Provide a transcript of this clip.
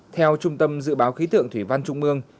theo trung tâm dự báo khí tượng thủy văn trung ương